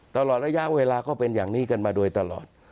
ตลอดระยะเวลาก็เป็นอย่างนี้กันมาโดยตลอด